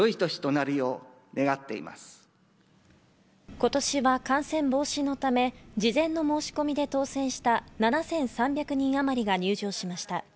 今年は感染防止のため、事前の申し込みで当選した７３００人あまりが入場しました。